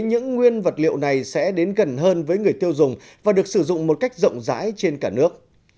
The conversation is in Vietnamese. những nguyên vật liệu này sẽ đến gần hơn với người tiêu dùng và được sử dụng một cách rộng rãi trên cả nước